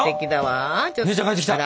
あっ姉ちゃん帰ってきた！